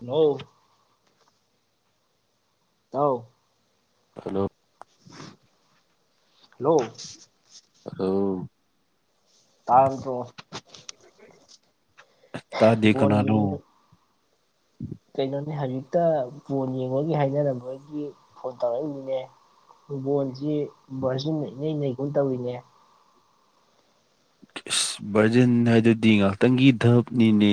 hello ꯏꯇꯥꯎ hello hello hello [unintelligible] ꯇꯥꯗꯦ ꯕꯣꯟ ꯀꯥꯅꯅꯣ ꯌꯦꯡꯉꯤ ꯀꯩꯅꯣꯅꯦ ꯍꯧꯖꯤꯛꯇ ꯐꯣꯟ ꯌꯦꯡꯕꯒꯤ ꯍꯥꯏꯅꯔꯝꯕꯒꯤ ꯐꯣꯟ ꯇꯧꯔꯛꯏꯅꯤꯅꯦ ꯐꯨꯠꯕꯣꯜꯁꯤ ꯚꯔꯖꯤꯟꯅ ꯏꯅꯩ ꯅꯩ ꯒꯨꯝ ꯇꯧꯋꯤꯅꯦ ꯏꯁ ꯕꯔꯖꯤꯟ ꯍꯥꯏꯗꯨꯗꯤ ꯉꯍꯥꯛꯇꯪꯒꯤ ꯙꯞꯅꯤꯅꯦ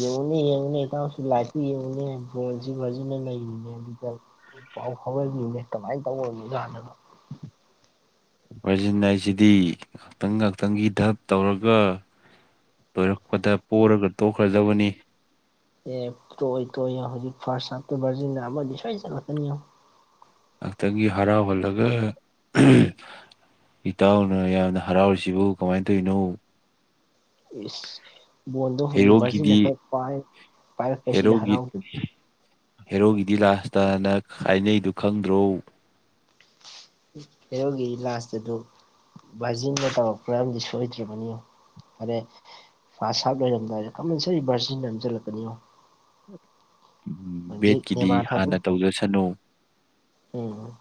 ꯌꯦꯡꯉꯨꯅꯦ ꯌꯦꯡꯉꯨꯅꯦ ꯏꯇꯥꯎꯁꯨ ꯂꯥꯞꯐ ꯌꯦꯡꯉꯨꯅꯦ ꯕꯣꯜꯖꯦ ꯕꯔꯖꯤꯟꯅ ꯅꯩꯔꯤꯅꯦ ꯏꯇꯥꯎ ꯄꯥꯎ ꯐꯥꯎꯔꯛꯏꯅꯦ ꯀꯃꯥꯏ ꯇꯧꯔꯕ ꯖꯥꯠꯅꯣꯅ ꯕꯔꯖꯤꯟ ꯍꯥꯏꯁꯤꯗꯤ ꯉꯍꯥꯛꯇꯪ ꯉꯍꯥꯛꯇꯪꯒꯤ ꯗꯥꯞ ꯇꯧꯔꯒ ꯂꯣꯏꯔꯛꯄꯗ ꯄꯔꯣꯒ ꯇꯣꯛꯈ꯭ꯔꯗꯕꯅꯤ ꯑꯦ ꯇꯣꯢ ꯇꯣꯢꯅ ꯐꯥꯔꯁ ꯍꯥꯞꯇ ꯕꯔꯖꯤꯟꯅ ꯑꯃꯗꯤ ꯁꯣꯢꯗꯅ ꯆꯠꯂꯛꯀꯅꯤ ꯌꯦꯡꯉꯣ ꯑꯗꯒꯤ ꯍꯔꯥꯎꯍꯜꯂꯒ ꯑꯍꯝ ꯏꯇꯥꯎꯅ ꯌꯥꯝꯅ ꯍꯔꯥꯎꯔꯤꯁꯤꯕꯨ ꯀꯃꯥꯏꯅ ꯇꯧꯔꯤꯅꯣ ꯏꯁ ꯕꯣꯜꯗꯣ ꯍꯧꯖꯤꯛ ꯍꯦꯔꯣꯒꯤꯗꯤ ꯕꯔꯖꯤꯜꯅ ꯈꯔ ꯄꯥꯏ ꯄꯥꯢꯔꯛꯄ ꯁꯤꯗ ꯍꯦꯔꯣꯒꯤ ꯍꯔꯥꯎꯔꯤꯕꯅꯤ ꯍꯦꯔꯣꯒꯤꯗꯤ ꯂꯥꯁ ꯇꯅ ꯇ ꯍꯥꯏꯅꯩꯗꯨ ꯈꯪꯗ꯭ꯔꯣ ꯍꯦꯔꯣꯒꯤ ꯂꯥꯁꯇ ꯑꯗꯨ ꯕꯥꯖꯤꯟꯗ ꯇꯧꯔꯛꯄꯔ ꯑꯝꯗꯤ ꯁꯣꯏꯗ꯭ꯔꯕꯅꯤ ꯐꯔꯦ ꯐꯥꯁ ꯍꯥꯞ ꯂꯩꯔꯝꯗꯥꯏꯗ ꯀꯝꯄꯜꯁꯔꯤ ꯚꯔꯁꯤꯟꯅ ꯑꯃ ꯆꯜꯂꯛ ꯀꯅꯤ ꯌꯦꯡꯉꯣ ꯕꯦꯠꯀꯤꯗꯤ ꯅꯦꯃꯥꯔ ꯍꯥꯟꯅ ꯊꯥꯗꯣꯛ ꯇꯧꯖꯁꯅꯣ ꯎꯝ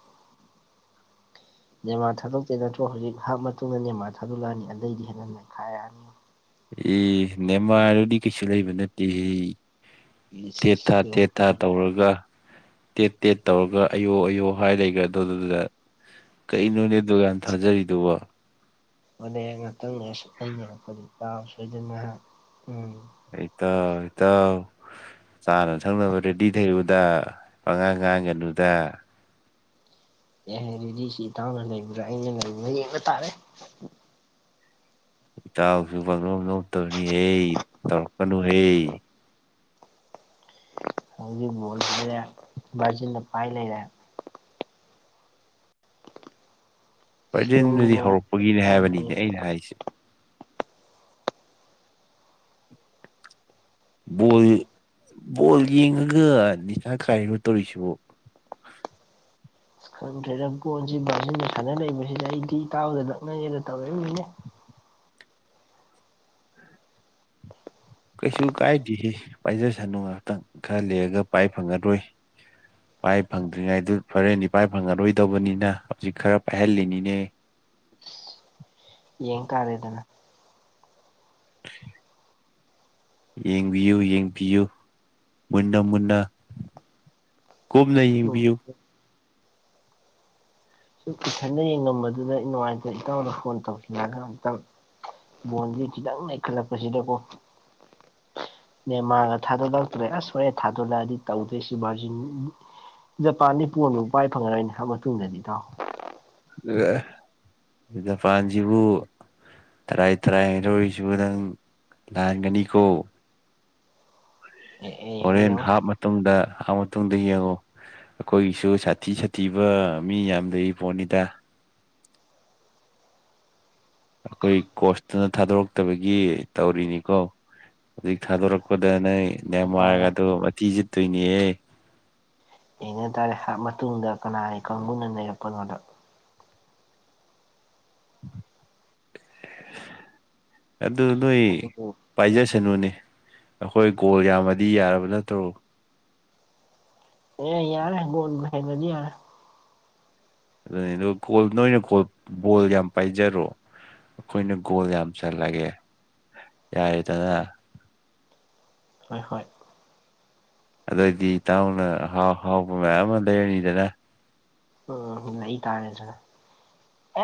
ꯅꯦꯃꯥꯔ ꯊꯥꯗꯣꯛꯇꯦꯢ ꯅꯠꯇ꯭ꯔꯣ ꯍꯧꯖꯤꯛ ꯍꯞ ꯃꯇꯨꯡꯗ ꯅꯦꯃꯥ ꯊꯥꯗꯣꯛꯂꯛ ꯑꯅꯤ ꯑꯗꯩꯗꯤ ꯍꯦꯟꯅ ꯅꯈꯥꯏꯔꯅꯤ ꯑꯦ ꯅꯦꯃꯥꯔꯗꯨꯗꯤ ꯀꯩꯁꯨ ꯂꯩꯕ ꯅꯠꯇ ꯍꯦ ꯏꯁ ꯇꯦꯠ ꯇꯥ ꯌꯦꯡꯉꯨ ꯇꯦꯠ ꯇꯥ ꯇꯧꯔꯒ ꯇꯦꯠ ꯇꯦꯠ ꯇꯧꯔꯒ ꯑꯌꯣ ꯑꯌꯣ ꯍꯥꯏ ꯂꯩꯈ꯭ꯔꯦ ꯗꯣꯗꯨꯗ ꯀꯩꯅꯣꯅꯦ ꯗꯨꯛꯌꯥꯝ ꯊꯥꯖꯔꯤꯗꯨꯕꯣ ꯍꯣꯅꯦ ꯉꯥꯛꯇꯪ ꯂꯩꯔꯁꯨ ꯑꯩꯅ [unintelligible] ꯎꯝ ꯢꯇꯥꯎ ꯢꯇꯥꯎ ꯆꯥꯅ ꯊꯛꯅꯕ ꯔꯦꯗꯤ ꯂꯩꯔꯣꯗ ꯄꯉꯥꯡ ꯉꯥꯡꯒꯅꯨꯗ ꯑꯦ ꯔꯦꯗꯤꯁꯤ ꯢꯇꯥꯎꯅ ꯂꯩꯕ꯭ꯔꯥ ꯑꯩꯅ ꯂꯩꯕ꯭ꯔ ꯌꯦꯡꯕ ꯇꯥꯔꯦ ꯏꯇꯥꯎꯁꯨ ꯄꯥꯡꯅꯣꯞ ꯅꯣꯞ ꯇꯕꯅꯦ ꯍꯦ ꯇꯧꯔꯛꯀꯅꯨꯍꯦ ꯍꯧꯖꯤꯛ ꯕꯣꯜꯖ ꯕꯔꯖꯤꯟꯅ ꯄꯥꯏ ꯂꯩꯔꯦ ꯍꯥꯢꯕ ꯅꯨꯡꯕꯨ ꯕ꯭ꯔꯖꯦꯟꯗꯨꯗꯤ ꯅꯨꯡꯉꯥꯏ ꯍꯧꯔꯛꯄꯒꯤꯅꯦ ꯏꯇꯥꯎꯅ ꯍꯌꯦꯡ ꯍꯥꯏꯕꯅꯤꯅꯦ ꯑꯩꯅ ꯍꯥꯏꯁꯦ ꯕꯣꯜ ꯕꯣꯜ ꯌꯦꯡꯉꯒ ꯅꯤꯁꯥ ꯈꯥꯢꯅꯣ ꯇꯧꯔꯤꯁꯤꯕꯣ [inaudible] ꯈꯪꯗ꯭ꯔꯦꯗ ꯕꯣꯟꯁꯤ ꯕꯥꯖꯤꯟꯅ ꯁꯅ ꯂꯩꯕꯁꯤꯗ ꯑꯩꯗꯤ ꯏꯇꯥꯎꯗ ꯂꯛꯅꯉꯦꯅ ꯇꯧꯔꯛꯢꯕꯅꯤꯅꯦ ꯀꯩꯁꯨ ꯀꯥꯏꯗꯦꯍꯦ ꯄꯥꯏꯖꯁꯅꯨ ꯉꯍꯥꯛꯇꯪ ꯈꯔ ꯂꯩꯔꯒ ꯄꯥꯏ ꯐꯪꯉꯔꯣꯏ ꯚꯥꯏ ꯐꯪꯗ꯭ꯔꯤꯉꯥꯏꯗꯨ ꯐꯔꯦꯅꯤ ꯄꯥꯏ ꯐꯪꯉꯔꯣꯏꯗꯧꯕꯅꯤꯅ ꯍꯧꯖꯤꯛ ꯈꯔ ꯄꯥꯏꯍꯜꯂꯤꯅꯤꯅꯦ [inaudible] ꯌꯦꯡ ꯇꯔꯦꯗꯅ [inaudible] ꯌꯦꯡꯕꯤꯌꯨ ꯌꯦꯡꯕꯤꯌꯨ ꯃꯨꯟꯅ ꯃꯨꯟꯅ ꯀꯨꯞꯅ ꯎꯝ ꯌꯦꯡꯕꯤꯌꯨ ꯁꯨ ꯏꯊꯟꯗ ꯌꯦꯡꯉꯝꯕꯗꯨꯗ ꯑꯩ ꯅꯨꯡꯉꯥꯏꯇꯦ ꯏꯇꯥꯎꯅ ꯐꯣꯟ ꯇꯧꯂꯒ ꯑꯃꯨꯛ ꯇꯪ ꯕꯣꯟꯖꯤ ꯈꯤꯇꯪ ꯅꯩꯈꯠꯂꯛꯄ ꯁꯤꯗꯀꯣ ꯅꯦꯃꯥꯒ ꯊꯥꯗꯣꯔꯛꯇ꯭ꯔꯦ ꯑꯁ ꯍꯣꯔꯦꯟ ꯊꯥꯗꯣꯔꯂꯛ ꯑꯗꯤ ꯇꯧꯗꯣꯏꯁꯤ ꯚꯔꯖꯤꯟ ꯖꯄꯥꯟꯗꯤ ꯕꯣꯟꯕꯨ ꯄꯥꯏ ꯐꯪꯉꯔꯣꯏꯅꯤ ꯍꯥꯞ ꯃꯇꯨꯡꯗꯗꯤ ꯏꯇꯥꯎ ꯔꯦ ꯖꯄꯥꯟꯁꯤꯕꯨ ꯇꯔꯥꯏ ꯇꯔꯥꯏ ꯍꯥꯏꯅꯔꯣꯏꯁꯤꯀꯣ ꯅꯪ ꯂꯥꯟꯒꯅꯤꯀꯣ ꯑꯦ ꯑꯦ ꯌꯦꯡꯉꯨ ꯍꯣꯔꯦꯟ ꯌꯦꯡꯉꯨ ꯍꯥꯞ ꯃꯇꯨꯡꯗ ꯍꯥꯞ ꯃꯇꯨꯡꯗ ꯌꯦꯡꯉꯨ ꯑꯩꯈꯣꯏꯒꯤꯁꯨ ꯁꯥꯊꯤ ꯁꯥꯊꯤꯕ ꯃꯤ ꯌꯥꯝ ꯂꯩꯔꯤ ꯄꯣꯠꯅꯤꯇ ꯑꯩꯈꯣꯏ ꯀꯣꯆꯇꯨꯅ ꯊꯥꯗꯣꯔꯛꯇꯕꯒꯤ ꯇꯧꯔꯤꯅꯤꯀꯣ ꯑꯗꯩ ꯊꯥꯗꯣꯔꯛꯄꯗ ꯅꯣꯏ ꯖꯄꯥꯟꯅ ꯅꯦꯃꯥꯔꯒꯗꯣ ꯃꯊꯤ ꯆꯠꯇꯣꯏꯅꯤꯍꯦ ꯌꯦꯡꯅ ꯇꯥꯔꯦ ꯍꯥꯞ ꯃꯇꯨꯡꯗ ꯀꯅꯥꯏ ꯀꯥꯡꯕꯨꯅ ꯅꯩꯔꯛꯄꯅꯣꯗ [inaudible] ꯑꯗꯨ ꯅꯣꯏ ꯑꯗꯨꯕꯨ ꯄꯥꯏꯖꯁꯅꯨꯅꯦ ꯑꯩꯈꯣꯏ ꯒꯣꯜ ꯌꯥꯝꯃꯗꯤ ꯌꯥꯔꯕ ꯅꯠꯇ꯭ꯔꯣ ꯑꯦ ꯌꯥꯔꯦ ꯒꯣꯜꯕꯨ ꯍꯦꯟꯒꯗꯤ ꯌꯥꯔꯦ ꯑꯗꯨꯅꯤ ꯑꯗꯨꯒ ꯀꯣꯜ ꯅꯣꯏꯅ ꯀꯣꯜ ꯕꯣꯜ ꯌꯥꯝ ꯄꯥꯏꯖꯔꯣ ꯑꯩꯈꯣꯏꯅ ꯒꯣꯜ ꯌꯥꯝ ꯆꯜꯂꯒꯦ ꯌꯥꯔꯦꯗꯅ ꯍꯣꯏ ꯍꯣꯏ ꯑꯗꯨꯑꯣꯏꯗꯤ ꯏꯇꯥꯎꯅ ꯑꯍꯥꯎ ꯑꯍꯥꯎꯕ ꯃꯌꯥꯝ ꯑꯃ ꯂꯩꯔꯅꯤꯗꯅ ꯂꯩ ꯇꯔꯦꯗꯅ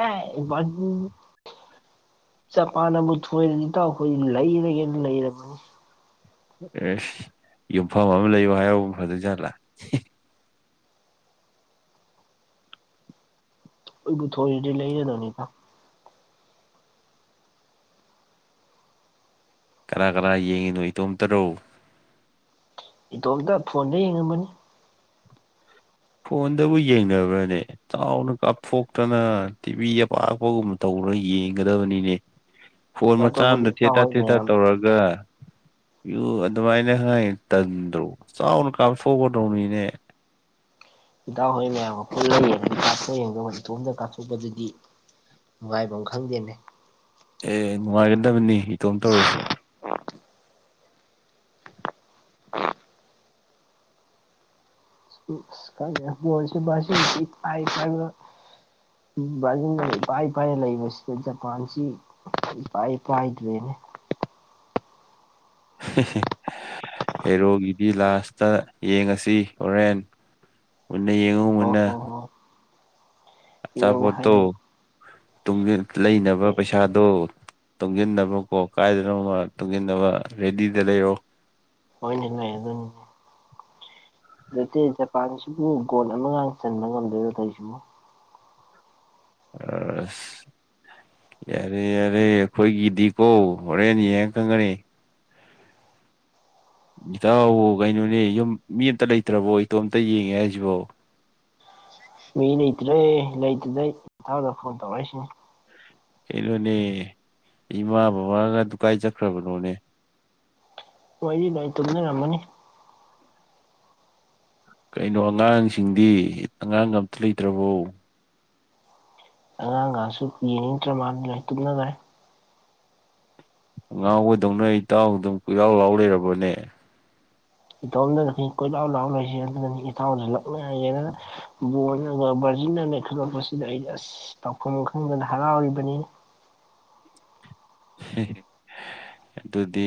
ꯑꯦ [unintelligible] ꯖꯄꯥꯟꯅꯕꯨ ꯊꯣꯏꯔꯗꯤ ꯏꯇꯥꯎ ꯑꯈꯣꯏꯗꯤ ꯂꯩꯔꯒꯦꯗ ꯂꯩꯔꯕꯅꯤ ꯑꯦꯁ ꯌꯨꯝꯐꯝ ꯑꯃ ꯂꯩꯌꯨ ꯍꯥꯏꯍꯧ ꯐꯗꯣꯏꯖꯥꯠꯂꯥ ꯊꯣꯏꯕꯨ ꯊꯣꯏꯔꯗꯤ ꯂꯩꯔꯗꯕꯅꯤ ꯏꯇꯥꯎ ꯀꯅꯥ ꯀꯅꯥ ꯌꯦꯡꯉꯤꯅꯣ ꯏꯇꯣꯝꯇꯔꯣ ꯏꯇꯣꯝꯇ ꯐꯣꯟꯗ ꯌꯦꯡꯉꯝꯕꯅꯤ ꯐꯣꯟꯗꯕꯨ ꯌꯦꯡꯅꯕ꯭ꯔꯅꯦ ꯆꯥꯎꯅ ꯀꯥꯞꯊꯣꯛꯇꯅ ꯇꯤꯚꯤ ꯑꯄꯥꯛꯄꯒꯨꯝ ꯇꯧ [unintelligible] ꯌꯦꯡꯒꯗꯕꯅꯤꯅꯦ [inaudible] ꯐꯣꯟ ꯃꯆꯥ ꯑꯇꯣꯞꯄꯗ ꯑꯃꯗ ꯊꯦꯠ ꯏꯇꯥꯎ ꯊꯥ ꯍꯣꯏ ꯊꯦꯠ ꯊꯥ ꯃꯌꯥꯝ ꯇꯧꯔꯒ [inaudible] ꯌꯨ ꯑꯗꯨꯃꯥꯏꯅꯥꯏ ꯍꯥꯏꯗꯣ ꯇꯟꯗ꯭ꯔꯣ ꯆꯥꯎꯅ ꯀꯥꯞꯊꯣꯛꯀꯗꯧꯅꯤꯅꯦ ꯏꯇꯥꯎ ꯍꯣꯏ ꯃꯌꯥꯝꯒ ꯄꯨꯜꯂꯒ ꯌꯦꯡꯉꯗꯤ ꯀꯥꯞꯊꯣꯛꯑꯒ ꯌꯦꯡꯗꯧꯕ ꯏꯇꯣꯝꯗ ꯀꯥꯞꯊꯣꯛꯄꯗꯨꯗꯤ ꯅꯨꯡꯉꯥꯏꯐꯝ ꯈꯪꯗꯦꯅꯦ ꯑꯦ ꯅꯨꯡꯉꯥꯏꯒꯗꯕꯅꯤ ꯏꯇꯣꯝꯇ ꯑꯣꯏꯔꯁꯨ [unintelligible] ꯑꯝ ꯕꯔꯥꯖꯤꯟ ꯏꯄꯥꯏ ꯄꯥꯏ ꯂꯩꯕꯁꯤ ꯖꯄꯥꯟꯁꯤ ꯏꯄꯥꯏ ꯄꯥꯏꯗꯔ꯭ꯦꯅꯦ ꯍꯦ ꯍꯦ ꯍꯦꯔꯣꯒꯤꯗꯤ ꯂꯥꯁꯇ ꯌꯦꯡꯉꯁꯤ ꯍꯣꯔꯦꯟ ꯃꯨꯟꯅ ꯌꯦꯡꯉꯨ ꯑꯣ ꯃꯨꯟꯅ ꯍꯣ ꯍꯣ ꯌꯦꯡꯕ ꯑꯆꯥꯄꯣꯠꯇꯣ ꯍꯥꯏꯗꯨꯅꯤ ꯇꯨꯡꯖꯟ ꯂꯩꯅꯕ ꯄꯩꯁꯥꯗꯣ ꯇꯨꯡꯖꯤꯟꯅꯕꯀꯣ ꯀꯥꯏꯗꯅꯣꯃ ꯇꯨꯡꯖꯤꯟꯅꯕ ꯔꯦꯗꯤꯗ ꯂꯩꯔꯣ ꯍꯣꯏꯅꯦ ꯂꯩꯔꯗꯝꯅꯤ ꯅꯠꯇꯦ ꯖꯄꯥꯟꯁꯤꯕꯨ ꯒꯣꯜ ꯑꯃꯒꯥ ꯆꯟꯕ ꯉꯝꯗꯣꯏꯔꯣ ꯇꯧꯏꯁꯤꯕꯨ ꯑꯁ ꯌꯥꯔꯦ ꯌꯥꯔꯦ ꯑꯈꯣꯏꯒꯤꯗꯤꯀꯣ ꯍꯣꯔꯦꯟ ꯌꯦꯡꯉ ꯈꯪꯒꯅꯤ ꯏꯇꯥꯎꯕꯨ ꯀꯩꯅꯣꯅꯦ ꯌꯨꯝ ꯃꯤ ꯑꯃꯇ ꯂꯩꯇ꯭ꯔꯕꯣ ꯏꯇꯣꯝꯇ ꯌꯦꯡꯉꯦ ꯍꯥꯏꯁꯤꯕꯣ ꯃꯤ ꯂꯩꯇ꯭ꯔꯦ ꯂꯩꯇꯗꯩ ꯏꯇꯥꯎꯗ ꯐꯣꯟ ꯇꯧꯔꯛꯏꯁꯤꯅꯤ ꯀꯩꯅꯣꯅꯦ ꯏꯃꯥ ꯕꯕꯥꯒꯗꯨ ꯀꯥꯏ ꯆꯠꯈ꯭ꯔꯕꯅꯣꯅꯦ ꯋꯥꯔꯤ ꯂꯣꯏ ꯇꯨꯝꯅꯔꯝꯃꯅꯤ ꯀꯩꯅꯣ ꯑꯉꯥꯡꯁꯤꯡꯗꯤ ꯑꯉꯥꯡꯒ ꯑꯝꯇ ꯂꯩꯇ꯭ꯔꯕꯣ ꯑꯉꯥꯡꯒꯁꯨ ꯌꯦꯡꯅꯤꯡꯗ꯭ꯔ ꯃꯥꯜꯂꯦ ꯂꯣꯏ ꯇꯨꯝꯅꯈ꯭ꯔꯦ ꯑꯉꯥꯎꯕꯗꯧꯅ ꯏꯇꯥꯎ ꯑꯗꯨꯝ ꯀꯣꯏꯂꯥꯎ ꯂꯥꯎ ꯂꯩꯔꯕꯅꯦ ꯏꯇꯣꯝꯗꯅ ꯀꯣꯏꯂꯥꯎ ꯂꯥꯎ ꯂꯩꯁꯦ ꯑꯗꯨꯅꯅꯤꯅꯦ ꯏꯇꯥꯎꯗ ꯂꯛꯅꯔꯒꯦꯅ ꯕꯣꯜꯖꯤꯅ ꯍꯧꯖꯤꯛꯅꯅꯦ ꯂꯩꯈꯠꯂꯛꯄꯁꯤꯗ ꯑꯩꯩꯅ ꯑꯁ ꯇꯧꯐꯝ ꯈꯪꯗ ꯍꯔꯥꯎꯔꯤꯕꯅꯤ ꯍꯦꯍꯦ ꯍ ꯑꯗꯨꯗꯤ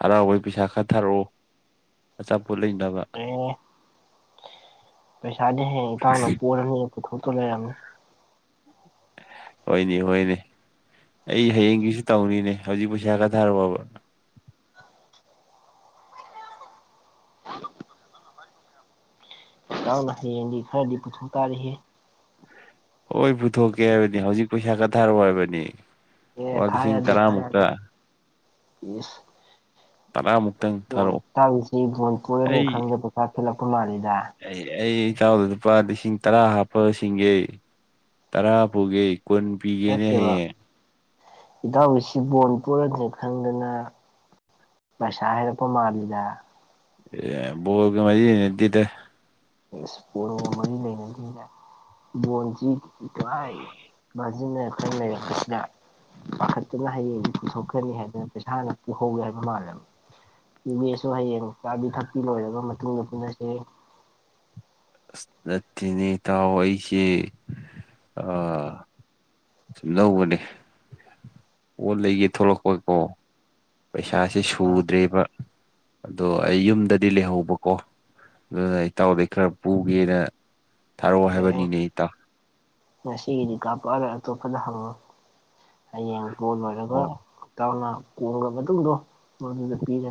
ꯍꯔꯥꯎꯕꯩ ꯄꯩꯁꯥ ꯈꯥꯔ ꯊꯥꯔꯛꯑꯣꯑꯆꯥꯄꯣ ꯄꯣꯠ ꯂꯩꯅꯕ ꯑꯦ ꯄꯩꯁꯥꯗꯤ ꯍꯌꯦꯡ ꯏꯇꯥꯎꯅ ꯄꯣꯜꯔꯅꯤ ꯄꯨꯊꯣꯛꯇꯨ ꯂꯩꯔꯝꯅꯤ ꯍꯣꯏꯅꯦ ꯍꯣꯏꯅꯦ ꯑꯩ ꯍꯌꯦꯡꯒꯤꯁꯨ ꯇꯧꯅꯤꯅꯦ ꯍꯧꯖꯤꯛ ꯄꯩꯁꯥ ꯈꯥꯔ ꯊꯥꯔꯛꯑꯣꯕ ꯏꯇꯥꯎꯅ ꯍꯌꯦꯡꯗꯤ ꯈꯥꯔꯗꯤ ꯄꯨꯊꯣꯛ ꯇꯥꯔꯤꯌꯦ ꯍꯣꯏ ꯄꯨꯊꯣꯛꯀꯦ ꯍꯥꯏꯕꯅꯤ ꯍꯧꯖꯤꯛ ꯄꯩꯁꯥ ꯈꯥꯔ ꯊꯔꯛꯑꯣ ꯍꯥꯏꯕꯅꯦ ꯑꯦ ꯍꯣꯏ ꯊꯥ ꯂꯤꯁꯤꯡ ꯌꯥꯗꯦ ꯊꯥ ꯇꯔꯥꯃꯨꯛꯇ ꯌꯥꯗꯦ ꯏꯁ ꯇꯔꯥꯃꯨꯛꯇꯪ ꯊꯥꯔꯛꯑꯣ ꯏꯇꯥꯎꯒꯤꯁꯦ ꯕꯣꯜ ꯄꯣꯔꯅꯤ ꯑꯩ ꯈꯪꯕꯩ ꯄꯩꯁꯥ ꯈꯜꯂꯞꯄꯅ ꯃꯜꯂꯤꯅꯤ ꯑꯩ ꯑꯩ ꯏꯇꯥꯎꯗ ꯂꯨꯄꯥ ꯂꯤꯁꯤꯡ ꯇꯔꯥ ꯍꯥꯞꯄ ꯁꯤꯡꯒꯦ ꯇꯔꯥ ꯄꯨꯒꯦ ꯀꯨꯟ ꯄꯤꯒꯦꯅꯦ ꯍ ꯏꯇꯥꯎꯕꯤꯁꯤ ꯕꯣꯟ ꯄꯣꯔꯅꯤ ꯈꯪꯗꯅ ꯗꯁꯥ ꯍꯥꯏꯔꯛꯄꯥ ꯃꯥꯜꯂꯤꯗ ꯑꯦ ꯕꯣꯜꯒ ꯃꯔꯤ ꯂꯩꯅꯗꯦꯗ ꯏꯁ ꯕꯣꯜꯒ ꯃꯔꯤ ꯂꯩꯅꯗꯦꯗ ꯕꯣꯜ ꯗꯤ ꯇꯥꯏ ꯖꯤ ꯊꯝ ꯂꯩ ꯈꯁꯤꯅ ꯄꯥꯈꯠꯇꯨꯅ ꯍꯌꯦꯡꯗꯤ ꯄꯨꯊꯣꯛꯈ꯭ꯔꯅꯤ ꯍꯥꯏꯗꯅ ꯄꯩꯁꯥ ꯍꯥꯟꯅ ꯄꯨꯍꯧꯒꯦ ꯍꯥꯏꯕ ꯃꯥꯜꯂꯦꯕ ꯌꯨꯕꯦꯁꯨ ꯍꯌꯦꯡ ꯆꯥꯕꯤ ꯊꯛꯄꯤ ꯂꯣꯏꯔꯕ ꯃꯇꯨꯡꯗ ꯄꯨꯂꯁꯦ ꯑꯁ ꯅꯠꯇꯦꯅꯦ ꯏꯇꯥꯎ ꯑꯩꯁꯦ ꯑꯥ ꯁꯨꯝ ꯂꯧꯕꯅꯦ ꯄꯣꯠ ꯂꯩꯒꯦ ꯊꯣꯛꯂꯛꯄꯀꯣ ꯄꯩꯁꯥꯁꯦ ꯁꯨꯗ꯭ꯔꯦꯕ ꯑꯗꯣ ꯑꯩ ꯌꯨꯝꯗꯗꯤ ꯂꯩꯍꯧꯕꯀꯣ ꯑꯗꯨꯅ ꯑꯩꯇꯥꯎꯗꯩ ꯈꯔ ꯄꯨꯒꯦꯅ ꯊꯥꯔꯛꯑꯣ ꯑꯦ ꯍꯥꯏꯕꯅꯤꯅꯦ ꯏꯇꯥꯎ ꯉꯁꯤꯒꯤꯗꯤ ꯀꯥꯞꯄꯛꯑꯔ ꯑꯇꯣꯞꯄꯗ ꯍꯪꯉꯨ ꯍꯌꯦꯡ ꯕꯣꯟ ꯂꯣꯏꯔꯒ ꯑꯣ ꯏꯇꯥꯎꯅ ꯀꯣꯡꯂ ꯃꯇꯨꯡꯗꯣ ꯃꯗꯨꯗ ꯄꯤꯒꯦ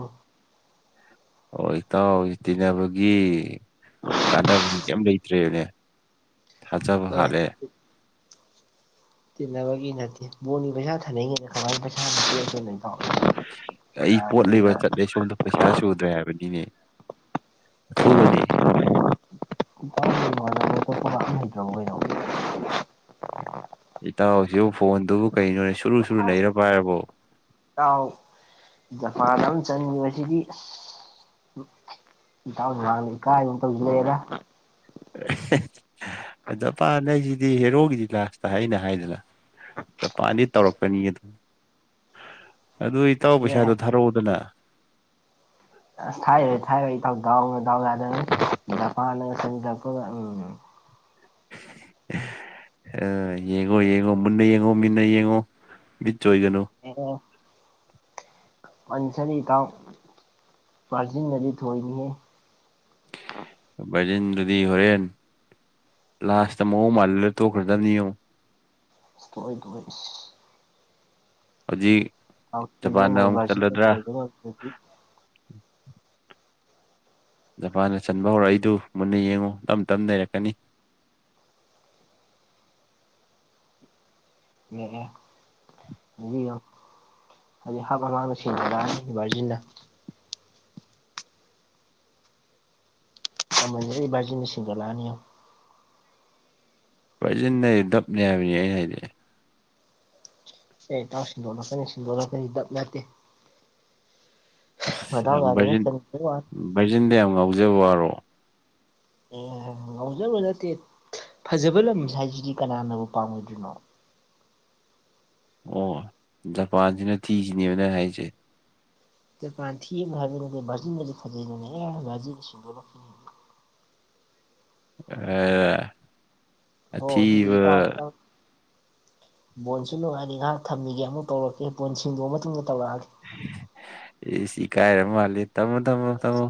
ꯍꯣ ꯏꯇꯥꯎꯁꯤ ꯇꯤꯟꯅꯕꯒꯤ ꯀꯥꯟꯅꯕꯅꯤ ꯀꯩꯝ ꯂꯩꯇ꯭ꯔꯦꯅꯦ ꯊꯥꯖꯕ ꯑꯦ ꯍꯥꯠꯂꯦ ꯇꯤꯟꯅꯕꯒꯤ ꯅꯠꯇꯦ ꯕꯣꯜꯒꯤ ꯄꯩꯁꯥ ꯊꯥꯅꯩꯅ ꯀꯃꯥꯏ ꯊꯅꯩꯅꯣ ꯑꯩ ꯄꯣꯠ ꯂꯩꯕ ꯆꯠꯂꯦ ꯁꯣꯝꯗ ꯄꯩꯁꯥ ꯁꯨꯗ꯭ꯔꯦ ꯍꯥꯏꯕꯅꯤꯅꯦ ꯑꯊꯨꯕꯅꯤ ꯐ [unintelligible] ꯀꯩꯗꯧꯕꯩꯅꯣ [unintelligible] ꯏꯇꯥꯎꯁꯨ ꯐꯣꯟꯗꯨꯕꯨ ꯀꯩꯅꯣꯅꯦ ꯁꯨꯔꯨ ꯁꯨꯔꯨ ꯅꯩꯔ ꯄꯥꯏꯔꯕꯣ ꯇꯥꯎ ꯖꯐꯥ ꯅꯝ ꯆꯟ ꯉꯁꯤꯗꯤ ꯏꯇꯥꯎ ꯅꯍꯥꯟ ꯏꯀꯥꯏꯒꯨꯝ ꯇꯧꯕꯅꯤꯗ ꯑꯍ ꯍ ꯖꯄꯥꯟ ꯍꯩ ꯁꯤꯗꯤ ꯍꯦꯔꯣꯒꯤꯗꯤ ꯂꯥꯁꯇ ꯑꯩꯅ ꯍꯥꯏꯗꯅ ꯖꯥꯄꯟꯗꯤ ꯇꯧꯔꯛꯀꯅꯤ ꯑꯗꯨꯝ ꯑꯗꯨ ꯏꯇꯥꯎ ꯄꯩꯁꯥꯗꯣ ꯑꯦ ꯊꯥꯔꯛꯑꯣꯗꯅ ꯑꯁ ꯊꯥꯏꯔꯣꯏ ꯊꯥꯏꯔꯣꯏ ꯏꯇꯥꯎ ꯗꯥꯎꯅꯗꯥꯎ ꯌꯥꯗꯅꯦ ꯖꯄꯥꯟ ꯅꯒ ꯍꯦꯟꯗꯀꯣ ꯉꯝ ꯑ ꯌꯦꯡꯉꯣ ꯌꯦꯡꯉꯣ ꯃꯨꯟꯅ ꯌꯦꯡꯉꯣ ꯃꯤꯟꯅ ꯌꯦꯡꯉꯣ ꯃꯤꯠ ꯆꯣꯏꯒꯅꯨ ꯑꯅꯤ ꯁꯔꯤ ꯏꯇꯥꯎ ꯕꯔꯥꯖꯤꯟꯅꯗꯤ ꯊꯣꯏꯅꯤꯌꯦ ꯥꯕꯔꯖꯤꯟ ꯗꯨꯗꯤ ꯍꯣꯔꯦꯟ ꯂꯥꯁ ꯇ ꯃꯑꯣꯡ ꯃꯥꯜꯍꯜꯂꯒ ꯊꯣꯛꯈꯔꯗꯅꯤ ꯌꯦꯡꯑꯣ ꯊꯣꯛꯑꯣꯢ ꯊꯣꯛꯑꯣꯢ ꯍꯧꯖꯤꯛ ꯍꯧ ꯖꯄꯥꯟꯗ ꯑꯃꯨꯛ ꯆꯠꯂꯗ꯭ꯔꯥ [unintelligible] ꯖꯄꯥꯟꯅ ꯆꯟꯕ ꯍꯧꯔꯛꯏꯗꯨ ꯃꯨꯟꯅ ꯌꯦꯡꯉꯨ ꯇꯞ ꯇꯞꯅ ꯅꯩꯔꯛꯀꯅꯤ [inaudible] ꯑꯦꯑꯦ [unintelligible] ꯍꯧꯖꯤꯛ ꯍꯥꯞ ꯃꯃꯥꯡꯗ ꯁꯤꯡꯗꯣꯛ ꯔꯛ ꯑꯏꯤ ꯚꯥꯔꯖꯤꯟꯅ ꯑꯩꯕꯖꯤ ꯕꯔꯖꯤꯟ ꯁꯤꯡꯗꯣꯛ ꯂꯑꯅꯤ ꯌꯦꯡꯉꯣ ꯕꯔꯖꯤꯟ ꯍꯗꯤ ꯗꯞꯅꯦ ꯍꯥꯏꯕꯅꯤ ꯑꯩꯅ ꯍꯥꯏꯗꯤ ꯑꯦ ꯇꯥꯎ ꯁꯤꯟꯗꯣꯛꯂꯛꯀꯅꯤ ꯁꯤꯟꯗꯣꯛꯂꯛꯀꯅꯤ ꯗꯞ ꯅꯠꯇꯦ ꯑꯁ ꯃꯗꯥꯎ ꯌꯥꯝ ꯌꯥꯗꯅ ꯚꯔꯖꯤꯟ ꯆꯟꯈꯤꯕꯩ ꯋꯥꯅꯤ ꯚꯔꯖꯤꯟꯗ ꯌꯥꯝ ꯉꯥꯎꯖꯕ ꯋꯥꯔꯣ ꯑꯦ ꯉꯥꯎꯖꯕ ꯅꯠꯇꯦ ꯐꯖꯕ ꯂꯝ ꯍꯥꯏꯁꯤꯗꯤ ꯀꯅꯥꯅꯕꯨ ꯄꯥꯝꯃꯨꯗꯣꯢꯅꯣ ꯑꯣ ꯖꯄꯥꯟꯁꯤꯅ ꯊꯤꯁꯤꯅꯦꯕ ꯅꯪ ꯍꯥꯏꯁꯦ ꯖꯄꯥꯟ ꯊꯤ ꯍꯥꯢꯕ ꯅꯠꯇꯦ ꯕꯔꯖꯤꯟ ꯁꯤꯗꯤ ꯐꯖꯩꯕꯅꯦꯍꯦ ꯕꯔꯖꯤꯟꯗꯤ ꯁꯤꯡꯗꯣꯔꯛ ꯀꯅꯤ ꯑꯦ ꯍꯣ ꯑꯗꯨꯗꯤ ꯏꯇꯥꯎ ꯑꯊꯤꯕꯔꯥ ꯏꯇꯥꯎ ꯕꯣꯟꯁꯨ ꯅꯨꯉꯥꯢꯔꯤ ꯉꯥꯏꯍꯥꯛ ꯊꯝꯒꯤꯒꯦ ꯑꯃꯨꯛ ꯇꯧꯔꯛꯀꯦ ꯕꯣꯟ ꯁꯤꯡꯗꯣꯛꯑ ꯃꯇꯨꯡꯗ ꯇꯧꯔꯛ ꯑꯒꯦ ꯏꯀꯥꯏꯔꯦ ꯃꯥꯜꯂꯦ ꯇꯝꯃꯣ ꯇꯝꯃꯣ ꯇꯝꯃꯣ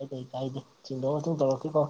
ꯑꯩꯗꯤ ꯢꯀꯥꯢꯗꯦ ꯆꯤꯡꯗꯣꯛꯑ ꯃꯇꯨꯡ ꯇꯧꯔꯛꯀꯦꯀꯣ